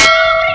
aku mohon jangan